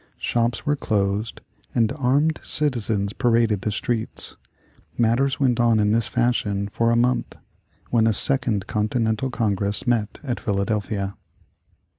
Shops were closed and armed citizens paraded the streets. Matters went on in this fashion for a month, when a Second Continental Congress met at Philadelphia.